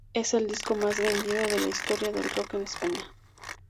Es el disco más vendido de la historia del Rock en España.